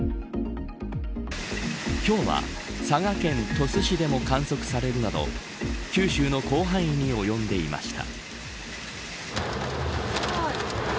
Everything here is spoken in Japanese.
ひょうは佐賀県鳥栖市でも観測されるなど九州の広範囲に及んでいました。